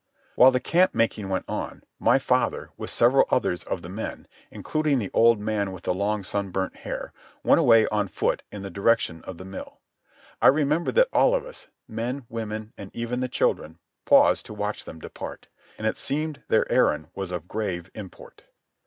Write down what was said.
While the camp making went on my father, with several others of the men, including the old man with the long, sunburnt hair, went away on foot in the direction of the mill. I remember that all of us, men, women, and even the children, paused to watch them depart; and it seemed their errand was of grave import.